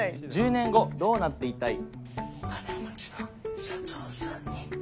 「１０年後どうなっていたい？」。